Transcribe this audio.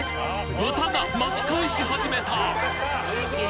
豚が巻き返し始めた！